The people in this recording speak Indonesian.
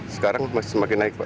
sekarang semakin naik pak